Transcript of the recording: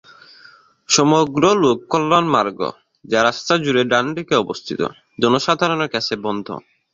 সমগ্র লোক কল্যাণ মার্গ, যা রাস্তা জুড়ে ডানদিকে অবস্থিত, জনসাধারণের কাছে বন্ধ।